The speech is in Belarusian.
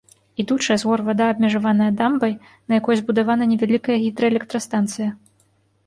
Ідучая з гор вада абмежаваная дамбай, на якой збудавана невялікая гідраэлектрастанцыя.